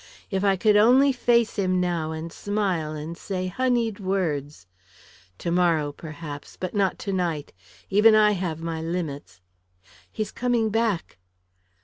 If I could only face him now and smile and say honeyed words! Tomorrow, perhaps, but not tonight. Even I have my limits. ... He's coming back!"